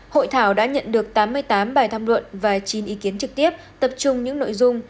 hội thảo đã nhận được tám mươi tám bài tham luận và chín ý kiến trực tiếp tập trung những nội dung